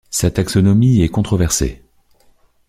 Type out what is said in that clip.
Sa taxonomie est controversée.